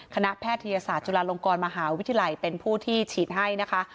แพทยศาสตร์จุฬาลงกรมหาวิทยาลัยเป็นผู้ที่ฉีดให้นะคะ